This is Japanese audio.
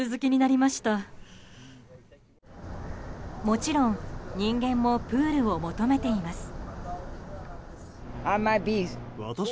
もちろん、人間もプールを求めています。